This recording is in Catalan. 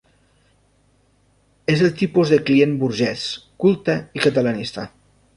És el tipus de client burgès, culte i catalanista.